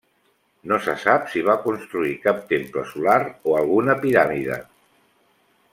No se sap si va construir cap temple solar o alguna piràmide.